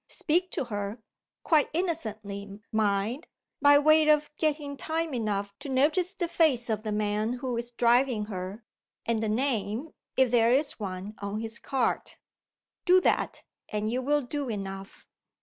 Speak to her (quite innocently, mind!), by way of getting time enough to notice the face of the man who is driving her, and the name (if there is one) on his cart. Do that, and you will do enough.